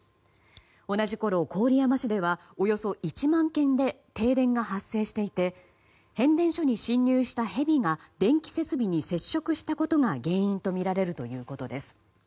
同じころ、郡山市ではおよそ１万軒で停電が発生していて変電所に侵入したヘビが電気設備に接触したことが原因とみられるということです。